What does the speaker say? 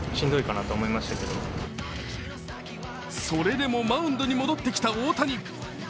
それでもマウンドに戻ってきた大谷。